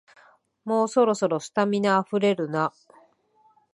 もうそろそろ、スタミナあふれるな